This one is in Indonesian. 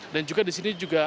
juga di sini juga